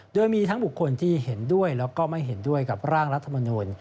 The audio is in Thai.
โดยมีทั้งบุคคลที่เห็นด้วยแล้วก็ไม่เห็นด้วยกับร่างรัฐมนูล